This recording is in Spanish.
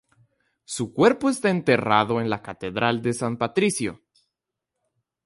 Su cuerpo está enterrado en la catedral de San Patricio.